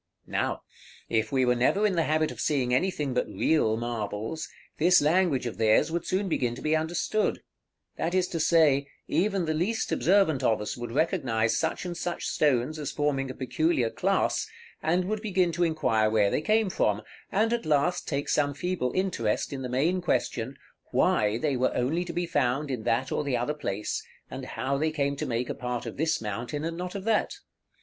Now, if we were never in the habit of seeing anything but real marbles, this language of theirs would soon begin to be understood; that is to say, even the least observant of us would recognize such and such stones as forming a peculiar class, and would begin to inquire where they came from, and, at last, take some feeble interest in the main question, Why they were only to be found in that or the other place, and how they came to make a part of this mountain, and not of that?